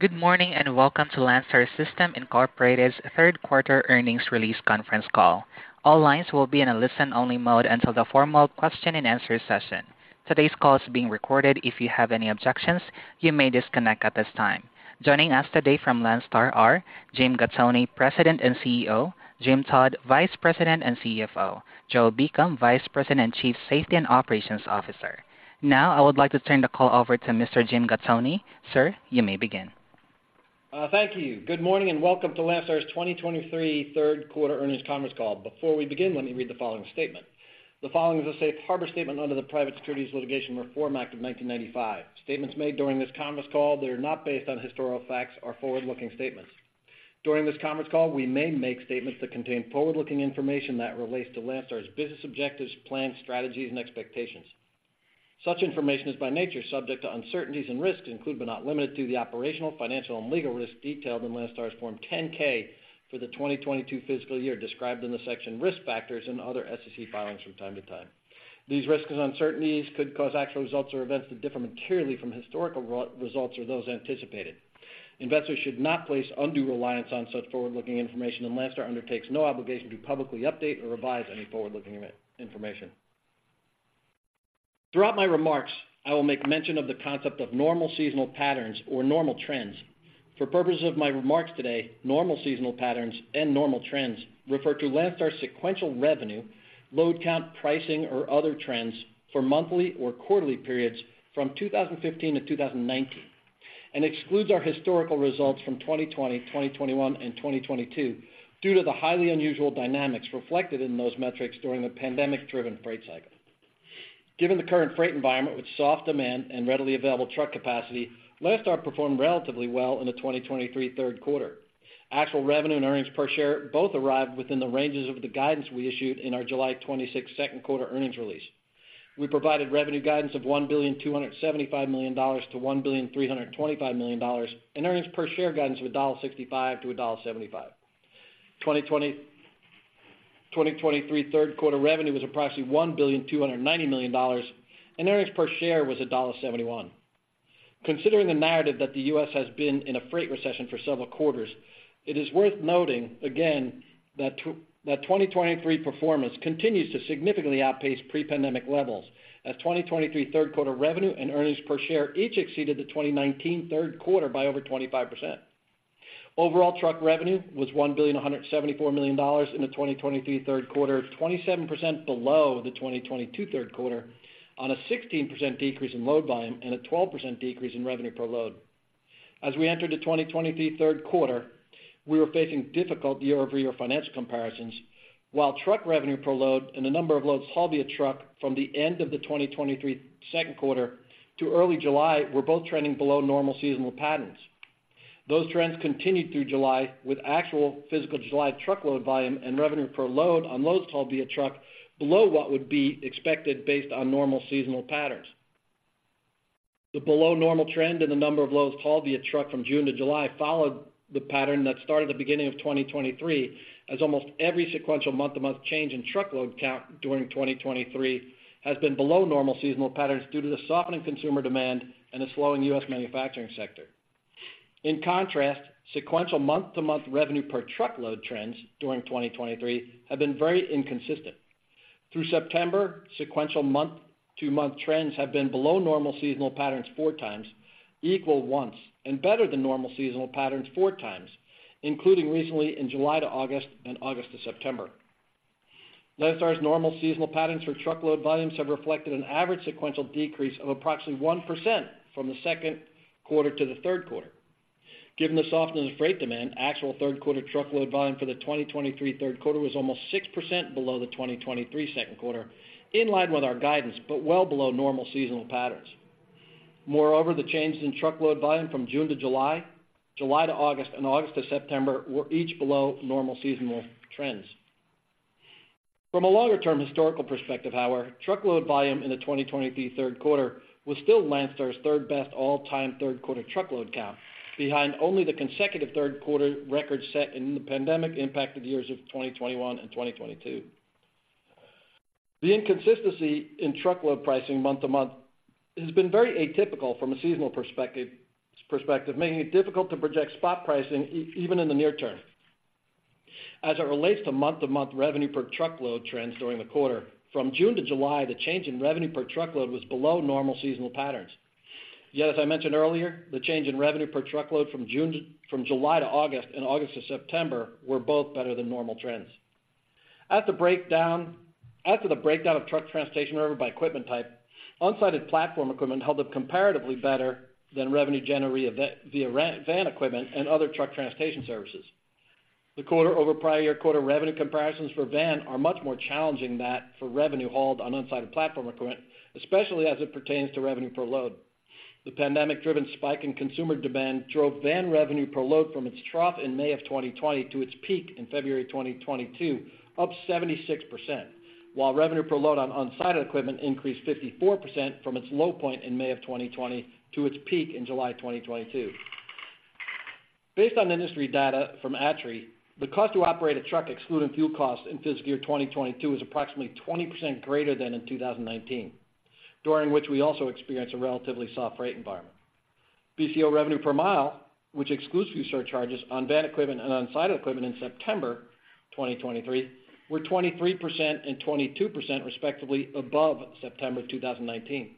Good morning, and welcome to Landstar System Incorporated's third quarter earnings release conference call. All lines will be in a listen-only mode until the formal question-and-answer session. Today's call is being recorded. If you have any objections, you may disconnect at this time. Joining us today from Landstar are Jim Gattoni, President and CEO, Jim Todd, Vice President and CFO, Joe Beacom, Vice President and Chief Safety and Operations Officer. Now, I would like to turn the call over to Mr. Jim Gattoni. Sir, you may begin. Thank you. Good morning, and welcome to Landstar's 2023 third quarter earnings conference call. Before we begin, let me read the following statement. The following is a safe harbor statement under the Private Securities Litigation Reform Act of 1995. Statements made during this conference call that are not based on historical facts are forward-looking statements. During this conference call, we may make statements that contain forward-looking information that relates to Landstar's business objectives, plans, strategies, and expectations. Such information is by nature subject to uncertainties and risks, including, but not limited to, the operational, financial, and legal risks detailed in Landstar's Form 10-K for the 2022 fiscal year, described in the section Risk Factors and other SEC filings from time to time. These risks and uncertainties could cause actual results or events to differ materially from historical results or those anticipated. Investors should not place undue reliance on such forward-looking information, and Landstar undertakes no obligation to publicly update or revise any forward-looking information. Throughout my remarks, I will make mention of the concept of normal seasonal patterns or normal trends. For purposes of my remarks today, normal seasonal patterns and normal trends refer to Landstar's sequential revenue, load count, pricing, or other trends for monthly or quarterly periods from 2015 to 2019, and excludes our historical results from 2020, 2021, and 2022 due to the highly unusual dynamics reflected in those metrics during the pandemic-driven freight cycle. Given the current freight environment, with soft demand and readily available truck capacity, Landstar performed relatively well in the 2023 third quarter. Actual revenue and earnings per share both arrived within the ranges of the guidance we issued in our July 26 second quarter earnings release. We provided revenue guidance of $1.275 billion-$1.325 billion, and earnings per share guidance of $1.65-$1.75. 2023 third quarter revenue was approximately $1.29 billion, and earnings per share was $1.71. Considering the narrative that the U.S. has been in a freight recession for several quarters, it is worth noting again that 2023 performance continues to significantly outpace pre-pandemic levels, as 2023 third quarter revenue and earnings per share each exceeded the 2019 third quarter by over 25%. Overall, truck revenue was $1.174 billion in the 2023 third quarter, 27% below the 2022 third quarter, on a 16% decrease in load volume and a 12% decrease in revenue per load. As we entered the 2023 third quarter, we were facing difficult year-over-year financial comparisons, while truck revenue per load and the number of loads hauled via truck from the end of the 2023 second quarter to early July were both trending below normal seasonal patterns. Those trends continued through July, with actual physical July truckload volume and revenue per load on loads hauled via truck below what would be expected based on normal seasonal patterns. The below-normal trend in the number of loads hauled via truck from June to July followed the pattern that started at the beginning of 2023, as almost every sequential month-to-month change in truckload count during 2023 has been below normal seasonal patterns due to the softening consumer demand and a slowing U.S. manufacturing sector. In contrast, sequential month-to-month revenue per truckload trends during 2023 have been very inconsistent. Through September, sequential month-to-month trends have been below normal seasonal patterns four times, equal once, and better than normal seasonal patterns four times, including recently in July to August and August to September. Landstar's normal seasonal patterns for truckload volumes have reflected an average sequential decrease of approximately 1% from the second quarter to the third quarter. Given the softness in freight demand, actual third quarter truckload volume for the 2023 third quarter was almost 6% below the 2023 second quarter, in line with our guidance, but well below normal seasonal patterns. Moreover, the changes in truckload volume from June to July, July to August, and August to September were each below normal seasonal trends. From a longer-term historical perspective, however, truckload volume in the 2023 third quarter was still Landstar's third-best all-time third-quarter truckload count, behind only the consecutive third quarter record set in the pandemic-impacted years of 2021 and 2022. The inconsistency in truckload pricing month-to-month has been very atypical from a seasonal perspective, making it difficult to project spot pricing even in the near term. As it relates to month-to-month revenue per truckload trends during the quarter, from June to July, the change in revenue per truckload was below normal seasonal patterns. Yet, as I mentioned earlier, the change in revenue per truckload from July to August and August to September were both better than normal trends. At the breakdown, as for the breakdown of truck transportation revenue by equipment type, unsided platform equipment held up comparatively better than revenue generated via rent-van equipment and other truck transportation services. The quarter over prior year quarter revenue comparisons for van are much more challenging than for revenue hauled on unsided platform equipment, especially as it pertains to revenue per load. The pandemic-driven spike in consumer demand drove van revenue per load from its trough in May of 2020 to its peak in February 2022, up 76%, while revenue per load on onsite equipment increased 54% from its low point in May of 2020 to its peak in July 2022.... Based on industry data from ATRI, the cost to operate a truck, excluding fuel costs, in fiscal year 2022 is approximately 20% greater than in 2019, during which we also experienced a relatively soft freight environment. This year revenue per mile, which excludes fuel surcharges on van equipment and on unsided equipment in September 2023, were 23% and 22%, respectively, above September 2019.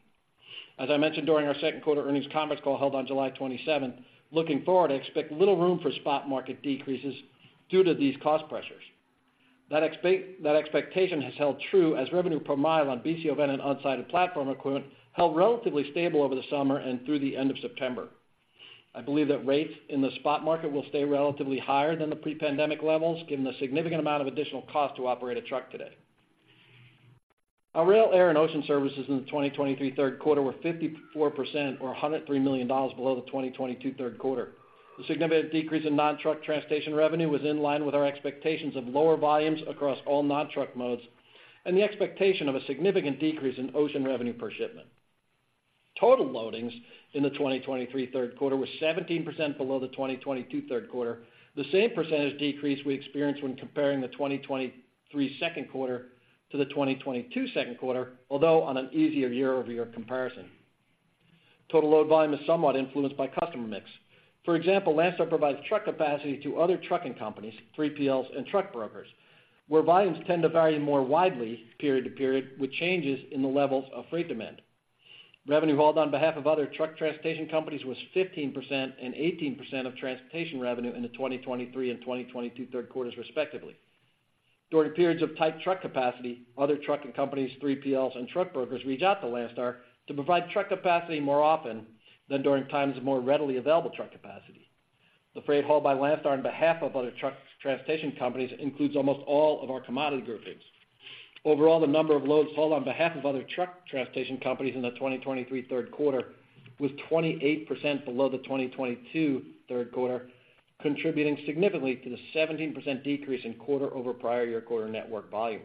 As I mentioned during our second quarter earnings conference call held on July 27th, looking forward, I expect little room for spot market decreases due to these cost pressures. That expectation has held true as revenue per mile on BCO van and unsided platform equipment held relatively stable over the summer and through the end of September. I believe that rates in the spot market will stay relatively higher than the pre-pandemic levels, given the significant amount of additional cost to operate a truck today. Our rail, air, and ocean services in the 2023 third quarter were 54%, or $103 million below the 2022 third quarter. The significant decrease in non-truck transportation revenue was in line with our expectations of lower volumes across all non-truck modes and the expectation of a significant decrease in ocean revenue per shipment. Total loadings in the 2023 third quarter was 17% below the 2022 third quarter, the same percentage decrease we experienced when comparing the 2023 second quarter to the 2022 second quarter, although on an easier year-over-year comparison. Total load volume is somewhat influenced by customer mix. For example, Landstar provides truck capacity to other trucking companies, 3PLs and truck brokers, where volumes tend to vary more widely period to period, with changes in the levels of freight demand. Revenue hauled on behalf of other truck transportation companies was 15% and 18% of transportation revenue in the 2023 and 2022 third quarters, respectively. During periods of tight truck capacity, other trucking companies, 3PLs and truck brokers, reach out to Landstar to provide truck capacity more often than during times of more readily available truck capacity. The freight hauled by Landstar on behalf of other truck transportation companies includes almost all of our commodity groupings. Overall, the number of loads hauled on behalf of other truck transportation companies in the 2023 third quarter was 28% below the 2022 third quarter, contributing significantly to the 17% decrease in quarter over prior year quarter network volume.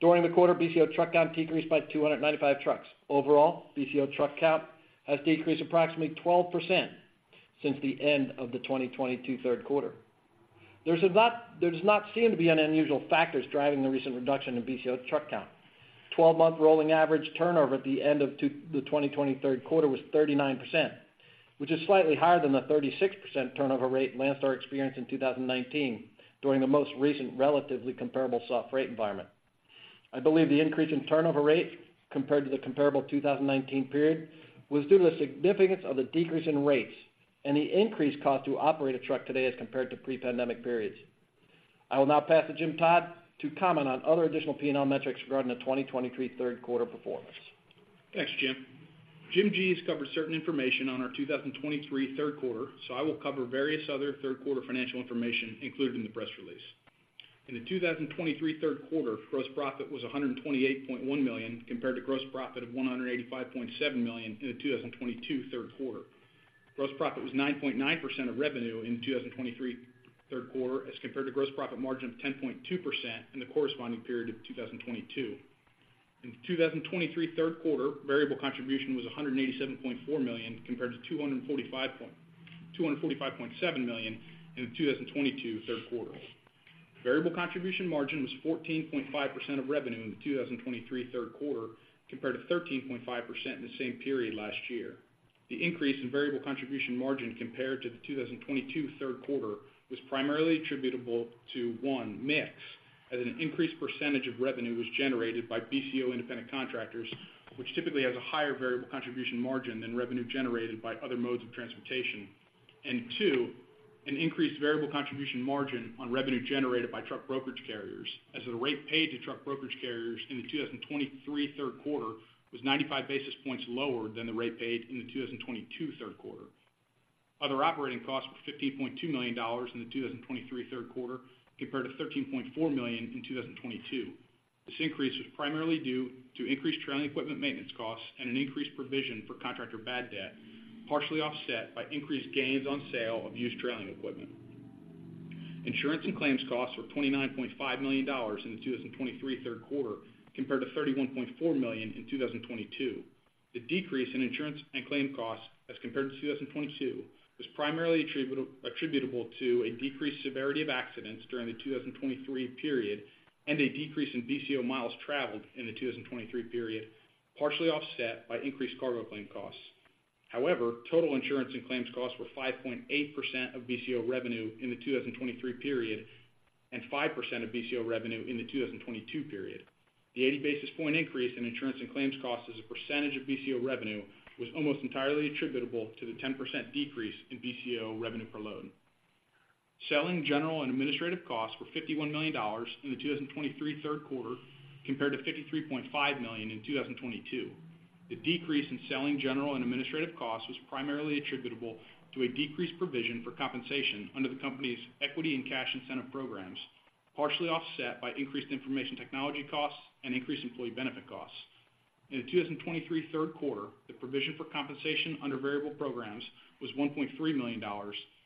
During the quarter, BCO truck count decreased by 295 trucks. Overall, BCO truck count has decreased approximately 12% since the end of the 2022 third quarter. There does not seem to be any unusual factors driving the recent reduction in BCO truck count. 12-month rolling average turnover at the end of the 2020 third quarter was 39%, which is slightly higher than the 36% turnover rate Landstar experienced in 2019 during the most recent relatively comparable soft rate environment. I believe the increase in turnover rate compared to the comparable 2019 period was due to the significance of the decrease in rates and the increased cost to operate a truck today as compared to pre-pandemic periods. I will now pass to Jim Todd to comment on other additional P&L metrics regarding the 2023 third quarter performance. Thanks, Jim. Jim G. has covered certain information on our 2023 third quarter, so I will cover various other third quarter financial information included in the press release. In the 2023 third quarter, gross profit was $128.1 million, compared to gross profit of $185.7 million in the 2022 third quarter. Gross profit was 9.9% of revenue in 2023 third quarter, as compared to gross profit margin of 10.2% in the corresponding period of 2022. In the 2023 third quarter, variable contribution was $187.4 million, compared to $245.7 million in the 2022 third quarter. Variable contribution margin was 14.5% of revenue in the 2023 third quarter, compared to 13.5% in the same period last year. The increase in variable contribution margin compared to the 2022 third quarter was primarily attributable to, 1, mix, as an increased percentage of revenue was generated by BCO independent contractors, which typically has a higher variable contribution margin than revenue generated by other modes of transportation. And two, an increased variable contribution margin on revenue generated by truck brokerage carriers, as the rate paid to truck brokerage carriers in the 2023 third quarter was 95 basis points lower than the rate paid in the 2022 third quarter. Other operating costs were $15.2 million in the 2023 third quarter, compared to $13.4 million in 2022. This increase was primarily due to increased trailing equipment maintenance costs and an increased provision for contractor bad debt, partially offset by increased gains on sale of used trailing equipment. Insurance and claims costs were $29.5 million in the 2023 third quarter, compared to $31.4 million in 2022. The decrease in insurance and claim costs as compared to 2022, was primarily attributable to a decreased severity of accidents during the 2023 period and a decrease in BCO miles traveled in the 2023 period, partially offset by increased cargo claim costs. However, total insurance and claims costs were 5.8% of BCO revenue in the 2023 period and 5% of BCO revenue in the 2022 period. The 80 basis point increase in insurance and claims costs as a percentage of BCO revenue was almost entirely attributable to the 10% decrease in BCO revenue per load. Selling general and administrative costs were $51 million in the 2023 third quarter, compared to $53.5 million in 2022. The decrease in selling general and administrative costs was primarily attributable to a decreased provision for compensation under the company's equity and cash incentive programs, partially offset by increased information technology costs and increased employee benefit costs. In the 2023 third quarter, the provision for compensation under variable programs was $1.3 million,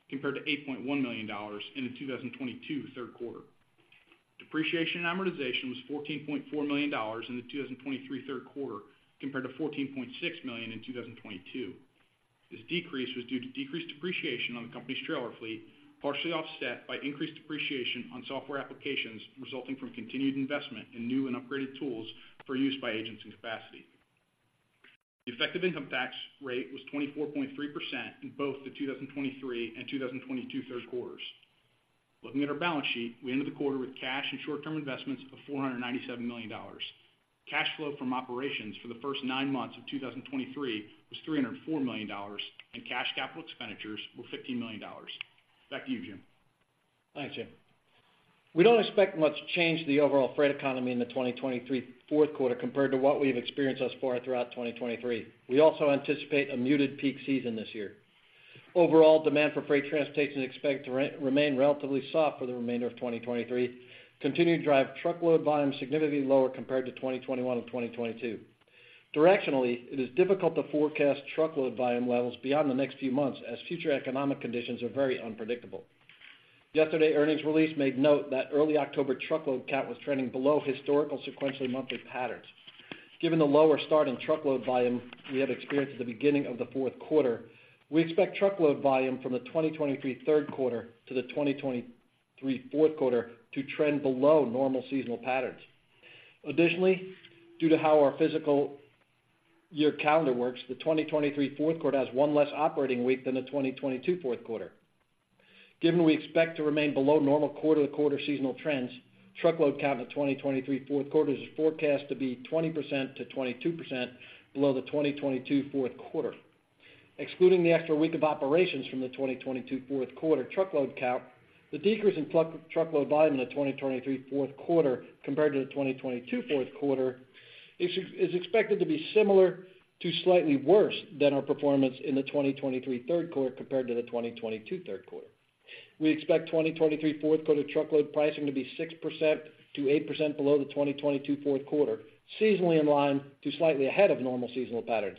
compared to $8.1 million in the 2022 third quarter. Depreciation and amortization was $14.4 million in the 2023 third quarter, compared to $14.6 million in 2022. This decrease was due to decreased depreciation on the company's trailer fleet, partially offset by increased depreciation on software applications, resulting from continued investment in new and upgraded tools for use by agents and capacity. The effective income tax rate was 24.3% in both the 2023 and 2022 third quarters. Looking at our balance sheet, we ended the quarter with cash and short-term investments of $497 million. Cash flow from operations for the first nine months of 2023 was $304 million, and cash capital expenditures were $15 million. Back to you, Jim. Thanks, Jim. We don't expect much change to the overall freight economy in the 2023 fourth quarter compared to what we've experienced thus far throughout 2023. We also anticipate a muted peak season this year. Overall, demand for freight transportation is expected to remain relatively soft for the remainder of 2023, continuing to drive truckload volume significantly lower compared to 2021 and 2022. Directionally, it is difficult to forecast truckload volume levels beyond the next few months, as future economic conditions are very unpredictable. Yesterday's earnings release made note that early October truckload count was trending below historical sequential monthly patterns. Given the lower start in truckload volume we had experienced at the beginning of the fourth quarter, we expect truckload volume from the 2023 third quarter to the 2023 fourth quarter to trend below normal seasonal patterns. Additionally, due to how our fiscal year calendar works, the 2023 fourth quarter has one less operating week than the 2022 fourth quarter. Given we expect to remain below normal quarter-to-quarter seasonal trends, truckload count in the 2023 fourth quarter is forecast to be 20%-22% below the 2022 fourth quarter. Excluding the extra week of operations from the 2022 fourth quarter truckload count, the decrease in truckload volume in the 2023 fourth quarter compared to the 2022 fourth quarter is expected to be similar to slightly worse than our performance in the 2023 third quarter compared to the 2022 third quarter. We expect 2023 fourth quarter truckload pricing to be 6%-8% below the 2022 fourth quarter, seasonally in line to slightly ahead of normal seasonal patterns.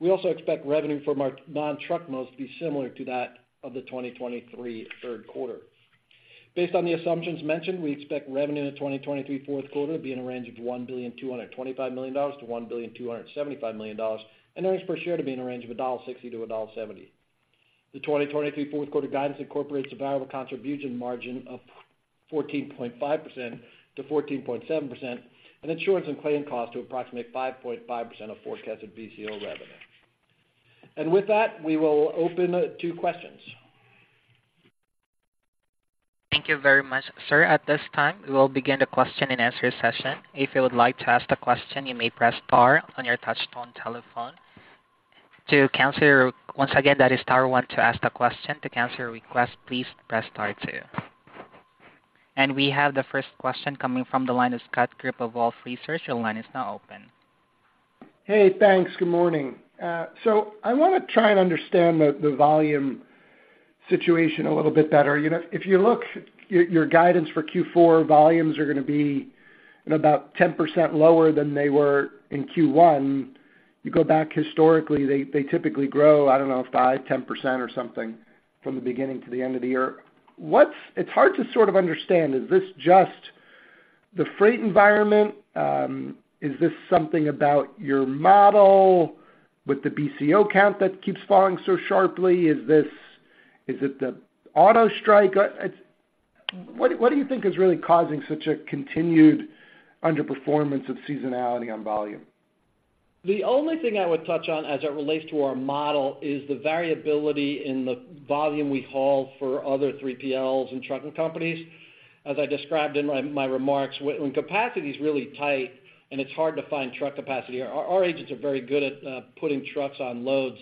We also expect revenue from our non-truck modes to be similar to that of the 2023 third quarter. Based on the assumptions mentioned, we expect revenue in the 2023 fourth quarter to be in a range of $1.225 billion-$1.275 billion, and earnings per share to be in a range of $1.60-$1.70. The 2023 fourth quarter guidance incorporates a variable contribution margin of 14.5%-14.7%, and insurance and claim cost to approximate 5.5% of forecasted BCO revenue. And with that, we will open to questions. Thank you very much, sir. At this time, we will begin the question and answer session. If you would like to ask a question, you may press star on your touchtone telephone. To cancel, once again, that is star one to ask a question. To cancel your request, please press star two. And we have the first question coming from the line of Scott Group of Wolfe Research. Your line is now open. Hey, thanks. Good morning. So I want to try and understand the volume situation a little bit better. You know, if you look, your guidance for Q4, volumes are going to be about 10% lower than they were in Q1. You go back historically, they typically grow, I don't know, 5%, 10% or something from the beginning to the end of the year. What's – it's hard to sort of understand. Is this just the freight environment? Is this something about your model with the BCO count that keeps falling so sharply? Is it the auto strike? It's. What do you think is really causing such a continued underperformance of seasonality on volume? The only thing I would touch on as it relates to our model is the variability in the volume we haul for other 3PLs and trucking companies. As I described in my remarks, when capacity is really tight and it's hard to find truck capacity, our agents are very good at putting trucks on loads.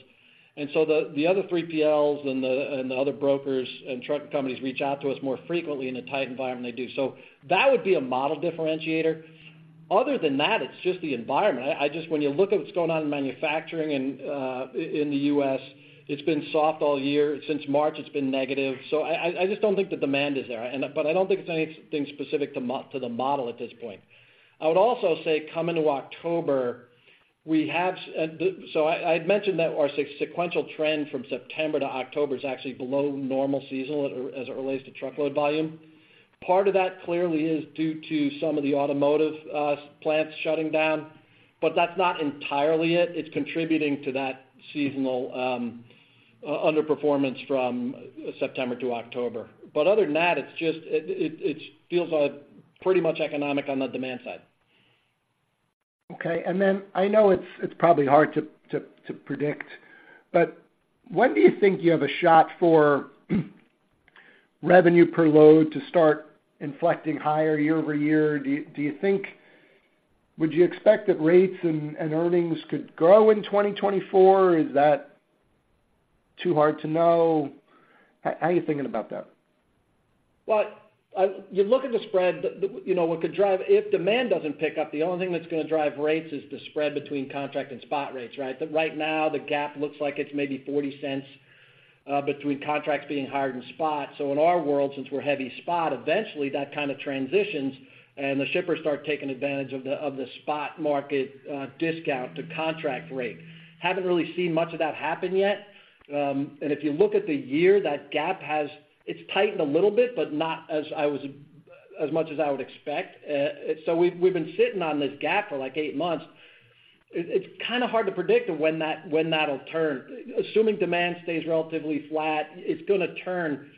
And so the other 3PLs and the other brokers and trucking companies reach out to us more frequently in a tight environment they do. So that would be a model differentiator. Other than that, it's just the environment. I just... When you look at what's going on in manufacturing and in the U.S., it's been soft all year. Since March, it's been negative. So I just don't think the demand is there, but I don't think it's anything specific to the model at this point. I would also say, coming to October, we have... So I'd mentioned that our sequential trend from September to October is actually below normal seasonal, as it relates to truckload volume. Part of that clearly is due to some of the automotive plants shutting down, but that's not entirely it. It's contributing to that seasonal underperformance from September to October. But other than that, it's just it feels like pretty much economic on the demand side. Okay. And then I know it's probably hard to predict, but when do you think you have a shot for revenue per load to start inflecting higher year-over-year? Do you think, would you expect that rates and earnings could grow in 2024, or is that too hard to know? How are you thinking about that? Well, you look at the spread, the, you know, what could drive... If demand doesn't pick up, the only thing that's going to drive rates is the spread between contract and spot rates, right? But right now, the gap looks like it's maybe $0.40 between contracts being higher and spot. So in our world, since we're heavy spot, eventually that kind of transitions... and the shippers start taking advantage of the spot market discount to contract rate. Haven't really seen much of that happen yet. And if you look at the year, that gap has tightened a little bit, but not as much as I would expect. So we've been sitting on this gap for, like, eight months. It's kind of hard to predict when that'll turn. Assuming demand stays relatively flat, it's gonna turn,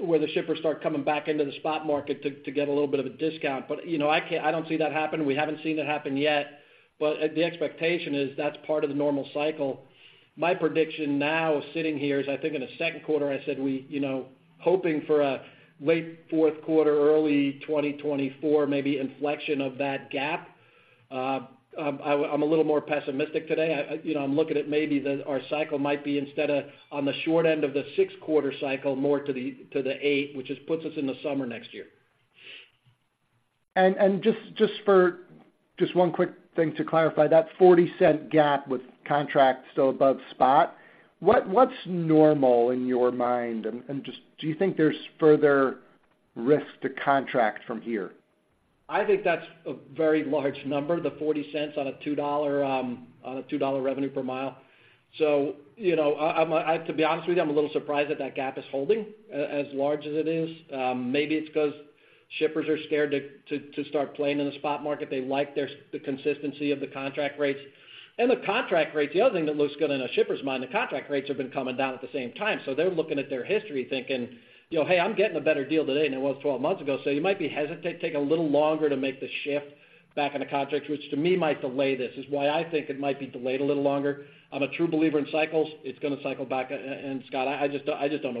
where the shippers start coming back into the spot market to, to get a little bit of a discount. But, you know, I don't see that happening. We haven't seen it happen yet, but, the expectation is that's part of the normal cycle. My prediction now, sitting here, is I think in the second quarter, I said, we, you know, hoping for a late fourth quarter, early 2024, maybe inflection of that gap. I'm a little more pessimistic today. I, you know, I'm looking at maybe the, our cycle might be, instead of on the short end of the six-quarter cycle, more to the, to the eight, which is, puts us in the summer next year. Just for one quick thing to clarify, that $0.40 gap with contract still above spot, what's normal in your mind? Just, do you think there's further risk to contract from here? I think that's a very large number, the $0.40 on a $2, on a $2 revenue per mile. So, you know, I'm to be honest with you, I'm a little surprised that that gap is holding as large as it is. Maybe it's because shippers are scared to start playing in the spot market. They like the consistency of the contract rates. And the contract rates, the other thing that looks good in a shipper's mind, the contract rates have been coming down at the same time. So they're looking at their history thinking, you know, "Hey, I'm getting a better deal today than it was 12 months ago." So you might be hesitant, take a little longer to make the shift back into contracts, which to me, might delay this. Is why I think it might be delayed a little longer. I'm a true believer in cycles. It's going to cycle back, and Scott, I just, I just don't know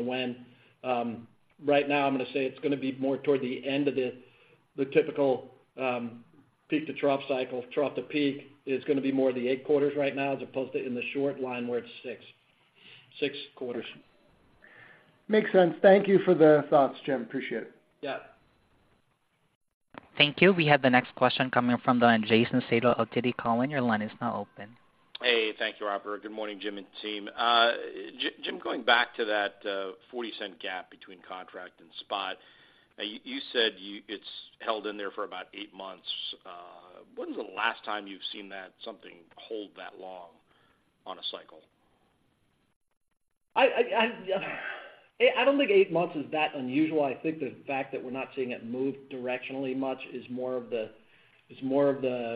when. Right now, I'm going to say it's going to be more toward the end of the typical peak-to-trough cycle. Trough-to-peak is going to be more the eight quarters right now, as opposed to in the short line, where it's six, six quarters. Makes sense. Thank you for the thoughts, Jim. Appreciate it. Yeah. Thank you. We have the next question coming from the line Jason Seidel of TD Cowen. Your line is now open. Hey, thank you, operator. Good morning, Jim and team. Jim, going back to that $0.40 gap between contract and spot, you said it's held in there for about eight months. When was the last time you've seen that, something hold that long on a cycle? I don't think eight months is that unusual. I think the fact that we're not seeing it move directionally much is more of the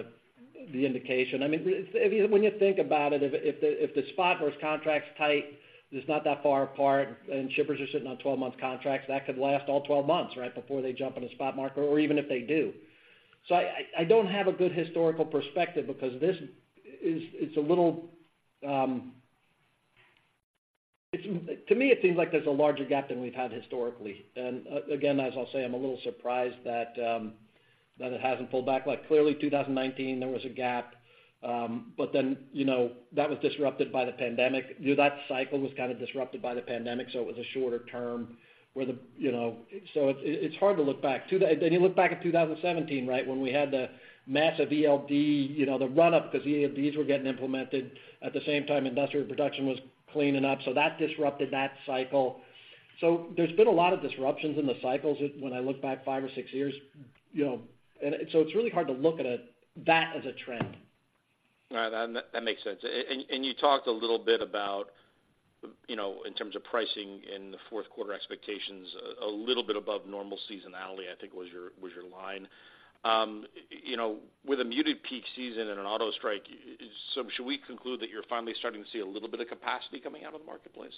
indication. I mean, if, when you think about it, if the spot versus contract's tight, it's not that far apart, and shippers are sitting on 12-month contracts, that could last all 12 months, right? Before they jump on a spot market or even if they do. So I don't have a good historical perspective because this is, it's a little. To me, it seems like there's a larger gap than we've had historically. And again, as I'll say, I'm a little surprised that it hasn't pulled back. Like, clearly, 2019, there was a gap, but then, you know, that was disrupted by the pandemic. That cycle was kind of disrupted by the pandemic, so it was a shorter term where the, you know. So it's, it's hard to look back. Then you look back at 2017, right, when we had the massive ELD, you know, the run-up because ELDs were getting implemented. At the same time, industrial production was cleaning up, so that disrupted that cycle. So there's been a lot of disruptions in the cycles when I look back five or six years, you know, and so it's really hard to look at it, that as a trend. All right. That, that makes sense. And you talked a little bit about, you know, in terms of pricing in the fourth quarter expectations, a little bit above normal seasonality, I think was your, was your line. You know, with a muted peak season and an auto strike, so should we conclude that you're finally starting to see a little bit of capacity coming out of the marketplace?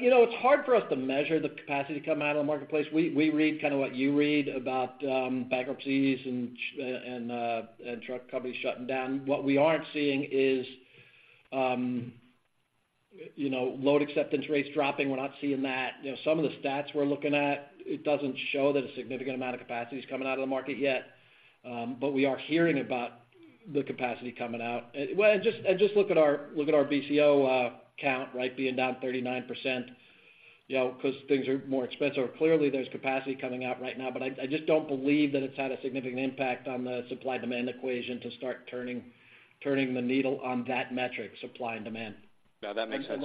You know, it's hard for us to measure the capacity coming out of the marketplace. We read kind of what you read about, bankruptcies and truck companies shutting down. What we aren't seeing is, you know, load acceptance rates dropping. We're not seeing that. You know, some of the stats we're looking at, it doesn't show that a significant amount of capacity is coming out of the market yet. But we are hearing about the capacity coming out. Well, just look at our BCO count, right, being down 39%, you know, because things are more expensive. Clearly, there's capacity coming out right now, but I just don't believe that it's had a significant impact on the supply-demand equation to start turning the needle on that metric, supply and demand. Now, that makes sense.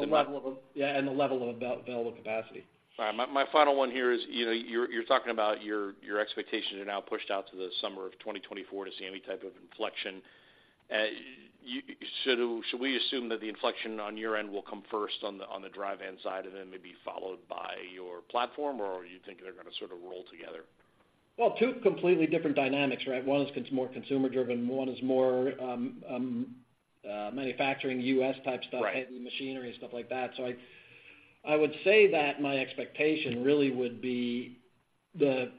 Yeah, and the level of available capacity. All right. My final one here is, you know, you're talking about your expectations are now pushed out to the summer of 2024 to see any type of inflection. Should we assume that the inflection on your end will come first on the dry van side, and then maybe followed by your platform, or you think they're going to sort of roll together? Well, two completely different dynamics, right? One is more consumer-driven, one is more manufacturing U.S.-type stuff. Right.... heavy machinery, stuff like that. So I would say that my expectation really would be the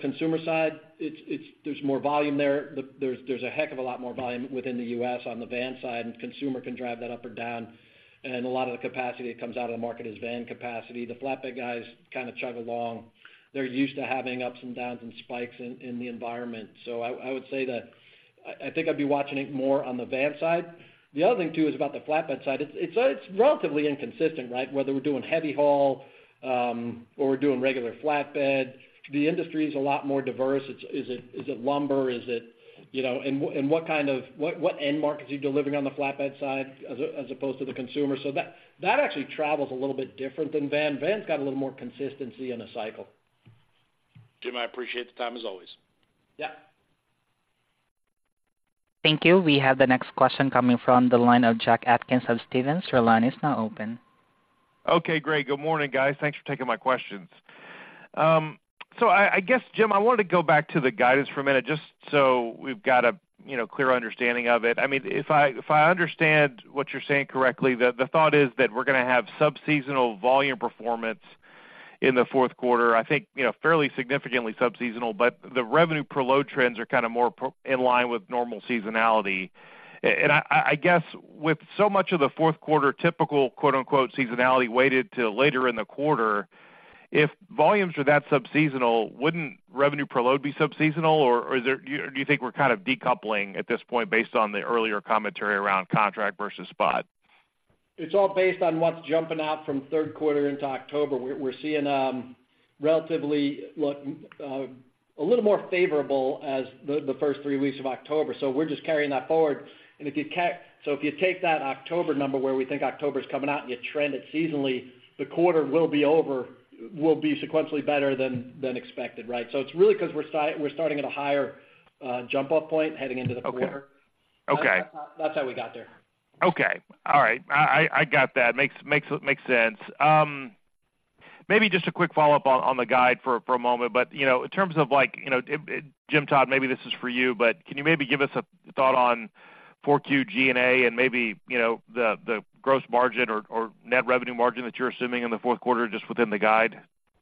consumer side, it's -- there's more volume there. There's a heck of a lot more volume within the U.S. on the van side, and consumer can drive that up or down, and a lot of the capacity that comes out of the market is van capacity. The flatbed guys kind of chug along. They're used to having ups and downs and spikes in the environment. So I would say that I think I'd be watching it more on the van side. The other thing, too, is about the flatbed side. It's relatively inconsistent, right? Whether we're doing heavy haul, or we're doing regular flatbed, the industry is a lot more diverse. Is it lumber? Is it, you know, what kind of end markets are you delivering on the flatbed side, as opposed to the consumer? So that actually travels a little bit different than van. Van's got a little more consistency in the cycle. Jim, I appreciate the time, as always. Yeah. Thank you. We have the next question coming from the line of Jack Atkins of Stephens. Your line is now open. Okay, great. Good morning, guys. Thanks for taking my questions. So I guess, Jim, I wanted to go back to the guidance for a minute just so we've got a, you know, clear understanding of it. I mean, if I understand what you're saying correctly, the thought is that we're going to have subseasonal volume performance in the fourth quarter. I think, you know, fairly significantly subseasonal, but the revenue per load trends are kind of more in line with normal seasonality. And I guess, with so much of the fourth quarter, typical, quote, unquote, "seasonality," weighted to later in the quarter, if volumes are that subseasonal, wouldn't revenue per load be subseasonal, or do you think we're kind of decoupling at this point based on the earlier commentary around contract versus spot? It's all based on what's jumping out from third quarter into October. We're seeing relatively a little more favorable as the first three weeks of October, so we're just carrying that forward. So if you take that October number, where we think October's coming out and you trend it seasonally, the quarter will be sequentially better than expected, right? So it's really 'cause we're starting at a higher jump-off point heading into the quarter. Okay. Okay. That's how we got there. Okay. All right, I got that. Makes sense. Maybe just a quick follow-up on the guide for a moment. But, you know, in terms of like, you know, Jim Todd, maybe this is for you, but can you maybe give us a thought on 4Q G&A and maybe, you know, the gross margin or net revenue margin that you're assuming in the fourth quarter, just within the guide?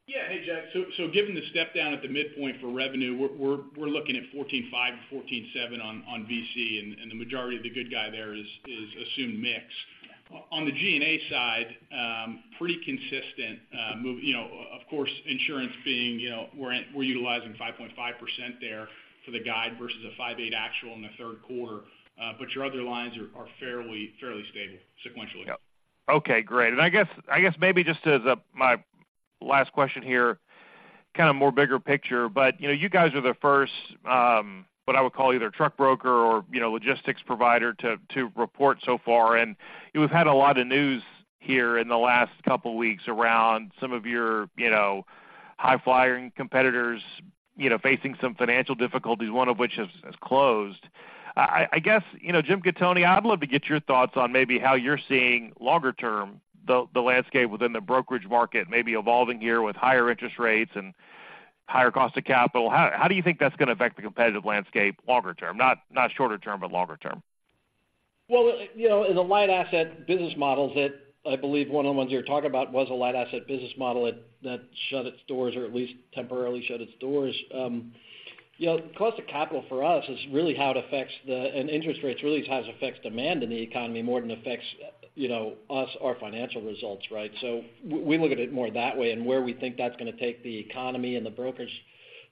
Yeah. Hey, Jack. So given the step down at the midpoint for revenue, we're looking at 14.5-14.7 on VC, and the majority of the good guy there is assumed mix. On the G&A side, pretty consistent move, you know, of course, insurance being, you know, we're utilizing 5.5% there for the guide versus a 5.8% actual in the third quarter. But your other lines are fairly stable sequentially. Okay, great. And I guess maybe just as a, my last question here, kind of more bigger picture, but, you know, you guys are the first, what I would call either truck broker or, you know, logistics provider to report so far. And we've had a lot of news here in the last couple weeks around some of your, you know, high-flying competitors, you know, facing some financial difficulties, one of which has closed. I guess, you know, Jim Gattoni, I'd love to get your thoughts on maybe how you're seeing longer term, the landscape within the brokerage market, maybe evolving here with higher interest rates and higher cost of capital. How do you think that's going to affect the competitive landscape longer term? Not shorter term, but longer term. Well, you know, in the light asset business models that I believe one on ones you're talking about was a light asset business model that, that shut its doors, or at least temporarily shut its doors. You know, cost of capital for us is really how it affects the... And interest rates really how it affects demand in the economy more than affects, you know, us, our financial results, right? So we look at it more that way and where we think that's going to take the economy and the brokerage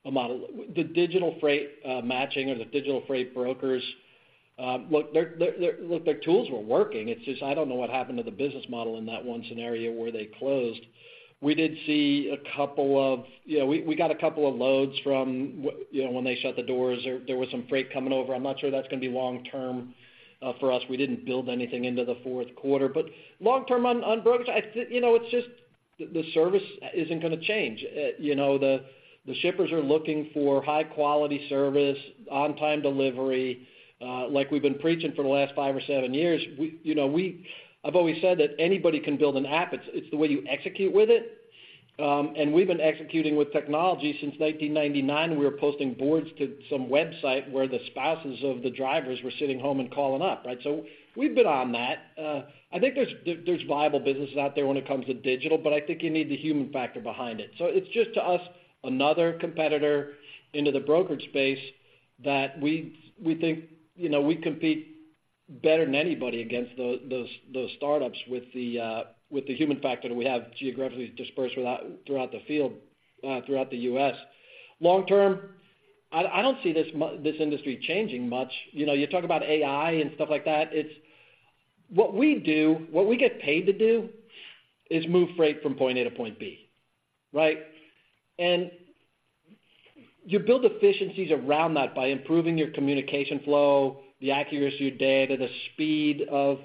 model. The digital freight matching or the digital freight brokers, look, their tools were working. It's just I don't know what happened to the business model in that one scenario where they closed. We did see a couple of... You know, we got a couple of loads from you know, when they shut the doors, there was some freight coming over. I'm not sure that's going to be long term, for us. We didn't build anything into the fourth quarter. But long term on, on brokerage, you know, it's just the service isn't going to change. You know, the shippers are looking for high-quality service, on-time delivery, like we've been preaching for the last five or seven years. You know, I've always said that anybody can build an app, it's the way you execute with it. And we've been executing with technology since 1999. We were posting boards to some website where the spouses of the drivers were sitting home and calling up, right? So we've been on that. I think there's viable businesses out there when it comes to digital, but I think you need the human factor behind it. So it's just, to us, another competitor into the brokerage space that we think, you know, we compete better than anybody against those startups with the human factor that we have geographically dispersed throughout the field, throughout the U.S. Long term, I don't see this industry changing much. You know, you talk about AI and stuff like that, it's... What we do, what we get paid to do is move freight from point A to point B, right? And you build efficiencies around that by improving your communication flow, the accuracy of data, the speed of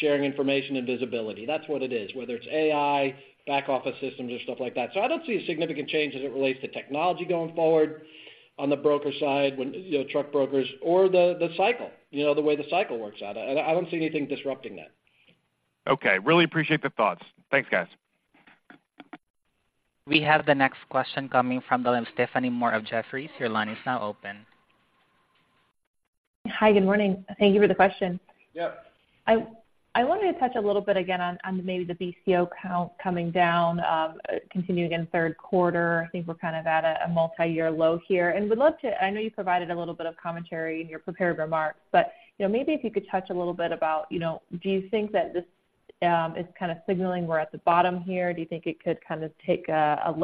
sharing information and visibility. That's what it is, whether it's AI, back office systems, or stuff like that. I don't see a significant change as it relates to technology going forward on the broker side, when, you know, truck brokers or the cycle, you know, the way the cycle works out. I don't see anything disrupting that. Okay. Really appreciate the thoughts. Thanks, guys. We have the next question coming from the line of Stephanie Moore of Jefferies. Your line is now open. Hi, good morning. Thank you for the question. Yep. I wanted to touch a little bit again on maybe the BCO count coming down, continuing in third quarter. I think we're kind of at a multiyear low here, and would love to... I know you provided a little bit of commentary in your prepared remarks, but, you know, maybe if you could touch a little bit about, you know, do you think that this is kind of signaling we're at the bottom here? Do you think it could kind of take a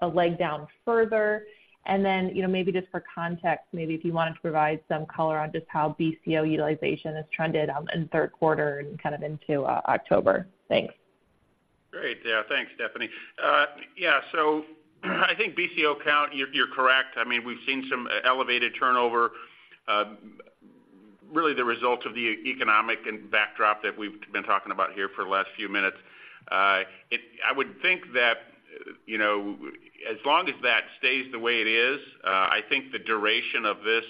leg down further? And then, you know, maybe just for context, maybe if you wanted to provide some color on just how BCO utilization has trended in the third quarter and kind of into October. Thanks. Great. Yeah, thanks, Stephanie. Yeah, so I think BCO count, you're correct. I mean, we've seen some elevated turnover, really the results of the economic and backdrop that we've been talking about here for the last few minutes. I would think that-... you know, as long as that stays the way it is, I think the duration of this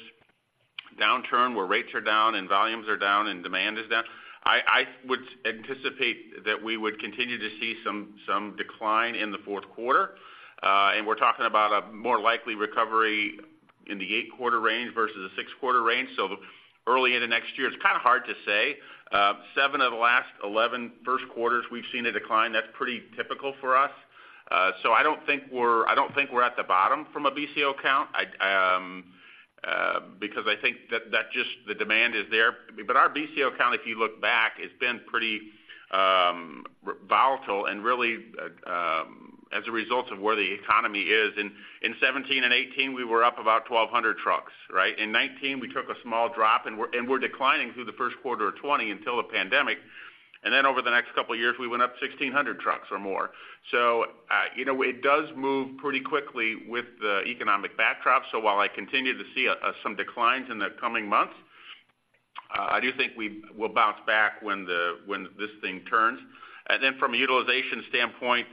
downturn, where rates are down and volumes are down and demand is down, I would anticipate that we would continue to see some decline in the fourth quarter. And we're talking about a more likely recovery in the eight-quarter range versus a six-quarter range, so early into next year, it's kind of hard to say. Seven of the last 11 first quarters, we've seen a decline. That's pretty typical for us. So I don't think we're at the bottom from a BCO count. Because I think that just the demand is there. But our BCO count, if you look back, has been pretty volatile and really as a result of where the economy is. In 2017 and 2018, we were up about 1,200 trucks, right? In 2019, we took a small drop, and we're declining through the first quarter of 2020 until the pandemic. And then over the next couple of years, we went up 1,600 trucks or more. So, you know, it does move pretty quickly with the economic backdrop. So while I continue to see some declines in the coming months, I do think we will bounce back when this thing turns. And then from a utilization standpoint,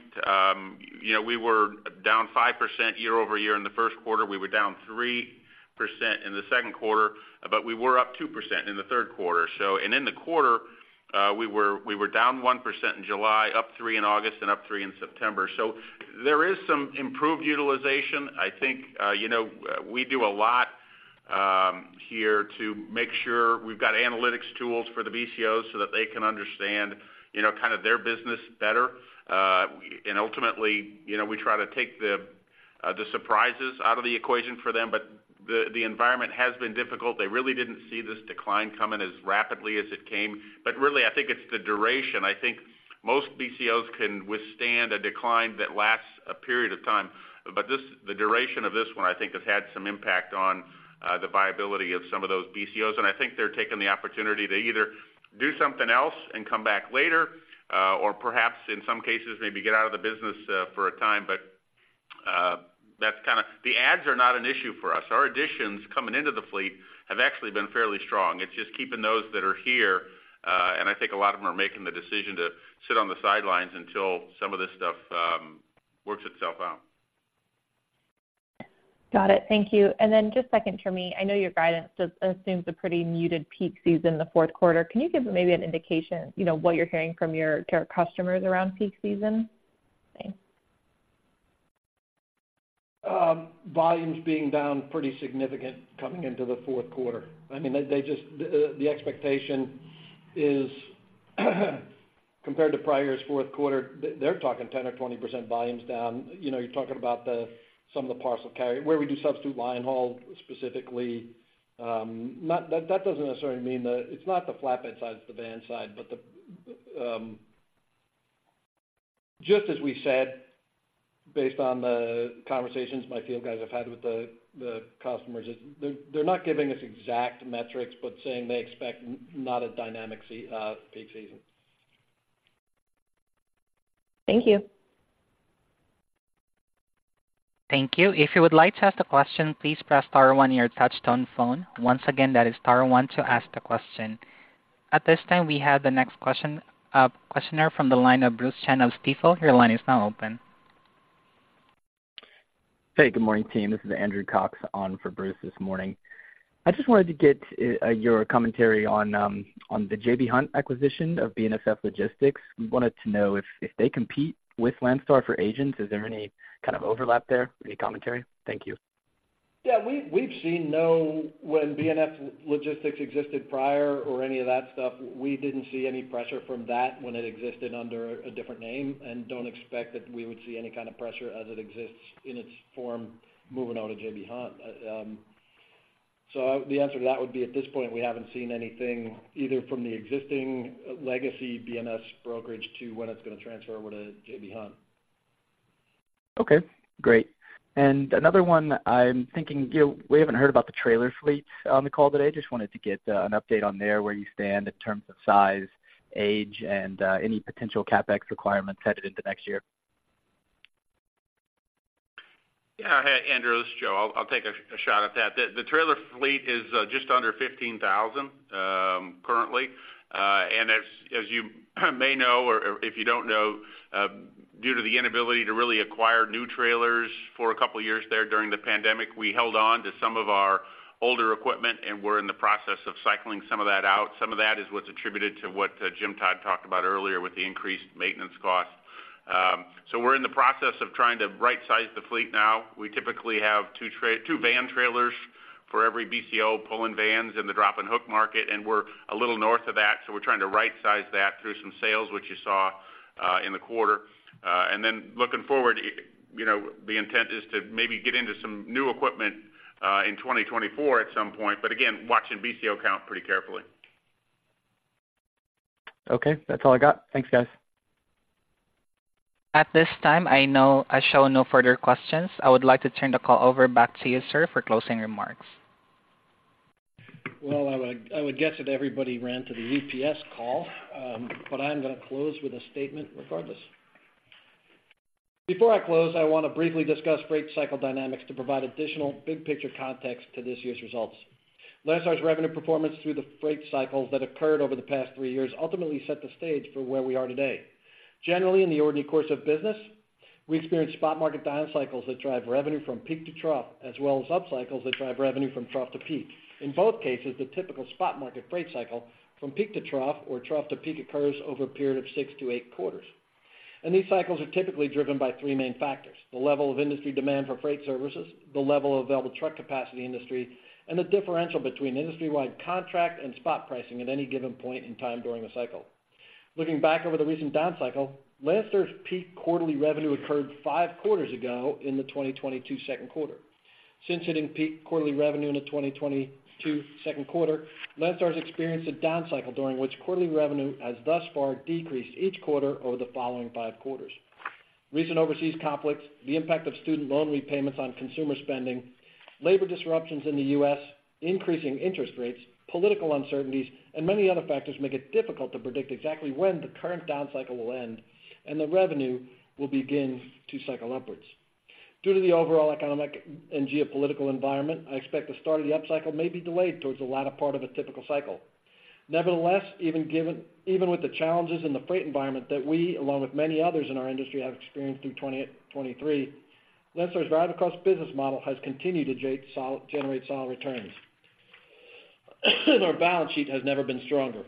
you know, we were down 5% year over year in the first quarter. We were down 3% in the second quarter, but we were up 2% in the third quarter. In the quarter, we were down 1% in July, up 3% in August, and up 3% in September. So there is some improved utilization. I think, you know, we do a lot here to make sure we've got analytics tools for the BCOs so that they can understand, you know, kind of their business better. And ultimately, you know, we try to take the surprises out of the equation for them, but the environment has been difficult. They really didn't see this decline coming as rapidly as it came. But really, I think it's the duration. I think most BCOs can withstand a decline that lasts a period of time. But this, the duration of this one, I think, has had some impact on, the viability of some of those BCOs, and I think they're taking the opportunity to either do something else and come back later, or perhaps in some cases, maybe get out of the business, for a time. But, that's kind of... The adds are not an issue for us. Our additions coming into the fleet have actually been fairly strong. It's just keeping those that are here, and I think a lot of them are making the decision to sit on the sidelines until some of this stuff, works itself out. Got it. Thank you. Then just second for me, I know your guidance assumes a pretty muted peak season in the fourth quarter. Can you give maybe an indication, you know, what you're hearing from your current customers around peak season? Thanks. Volumes being down pretty significant coming into the fourth quarter. I mean, they, they just, the expectation is, compared to prior's fourth quarter, they're talking 10% or 20% volumes down. You know, you're talking about the, some of the parcel carrier, where we do substitute line haul, specifically. Not that, that doesn't necessarily mean that. It's not the flatbed side, it's the van side. But the, just as we said, based on the conversations my field guys have had with the, the customers, is they're, they're not giving us exact metrics, but saying they expect not a dynamic peak season. Thank you. Thank you. If you would like to ask the question, please press star one on your touchtone phone. Once again, that is star one to ask the question. At this time, we have the next question, questioner from the line of Bruce Chan of Stifel. Your line is now open. Hey, good morning, team. This is Andrew Cox on for Bruce this morning. I just wanted to get your commentary on on the J.B. Hunt acquisition of BNSF Logistics. We wanted to know if they compete with Landstar for agents, is there any kind of overlap there? Any commentary? Thank you. Yeah, we've seen no—when BNSF Logistics existed prior or any of that stuff, we didn't see any pressure from that when it existed under a different name, and don't expect that we would see any kind of pressure as it exists in its form moving out of J.B. Hunt. So the answer to that would be, at this point, we haven't seen anything, either from the existing legacy BNSF brokerage to when it's going to transfer over to J.B. Hunt. Okay, great. And another one, I'm thinking, you know, we haven't heard about the trailer fleet on the call today. Just wanted to get an update on there, where you stand in terms of size, age, and any potential CapEx requirements headed into next year. Yeah. Hey, Andrew, this is Joe. I'll take a shot at that. The trailer fleet is just under 15,000 currently. And as you may know, or if you don't know, due to the inability to really acquire new trailers for a couple of years there during the pandemic, we held on to some of our older equipment, and we're in the process of cycling some of that out. Some of that is what's attributed to what Jim Todd talked about earlier with the increased maintenance costs. So we're in the process of trying to right-size the fleet now. We typically have two van trailers for every BCO pulling vans in the drop and hook market, and we're a little north of that, so we're trying to right-size that through some sales, which you saw in the quarter. And then looking forward, you know, the intent is to maybe get into some new equipment in 2024 at some point, but again, watching BCO count pretty carefully. Okay, that's all I got. Thanks, guys. At this time, I'm showing no further questions. I would like to turn the call back over to you, sir, for closing remarks. Well, I would, I would guess that everybody ran to the UPS call, but I'm going to close with a statement regardless. Before I close, I want to briefly discuss freight cycle dynamics to provide additional big-picture context to this year's results. Landstar's revenue performance through the freight cycles that occurred over the past three years ultimately set the stage for where we are today. Generally, in the ordinary course of business, we experience spot market down cycles that drive revenue from peak to trough, as well as up cycles that drive revenue from trough to peak. In both cases, the typical spot market freight cycle from peak to trough or trough to peak occurs over a period of six-eight quarters, and these cycles are typically driven by three main factors: the level of industry demand for freight services, the level of available truck capacity industry, and the differential between industry-wide contract and spot pricing at any given point in time during the cycle. Looking back over the recent down cycle, Landstar's peak quarterly revenue occurred five quarters ago in the 2022 second quarter. Since hitting peak quarterly revenue in the 2022 second quarter, Landstar's experienced a down cycle during which quarterly revenue has thus far decreased each quarter over the following five quarters. Recent overseas conflicts, the impact of student loan repayments on consumer spending, labor disruptions in the U.S., increasing interest rates, political uncertainties, and many other factors make it difficult to predict exactly when the current down cycle will end and the revenue will begin to cycle upwards. Due to the overall economic and geopolitical environment, I expect the start of the upcycle may be delayed towards the latter part of a typical cycle. Nevertheless, even with the challenges in the freight environment that we, along with many others in our industry, have experienced through 2023, Landstar's variable cost business model has continued to generate solid returns, and our balance sheet has never been stronger.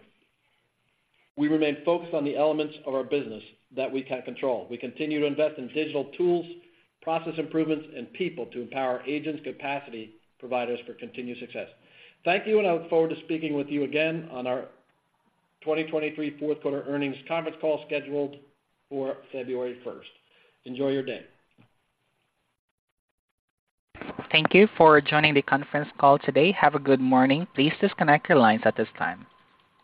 We remain focused on the elements of our business that we can control. We continue to invest in digital tools, process improvements, and people to empower agents' capacity providers for continued success. Thank you, and I look forward to speaking with you again on our 2023 fourth quarter earnings conference call, scheduled for February 1st. Enjoy your day. Thank you for joining the conference call today. Have a good morning. Please disconnect your lines at this time.